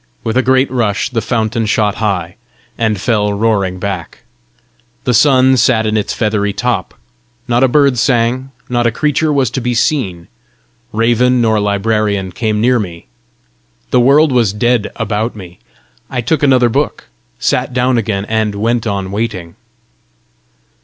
With a great rush the fountain shot high, and fell roaring back. The sun sat in its feathery top. Not a bird sang, not a creature was to be seen. Raven nor librarian came near me. The world was dead about me. I took another book, sat down again, and went on waiting.